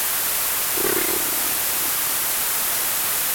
From then on he devoted himself mostly to research and writing.